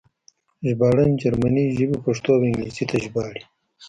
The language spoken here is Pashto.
ژباړن جرمنۍ ژبه پښتو او انګلیسي ته ژباړي